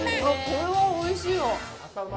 これはおいしいわ！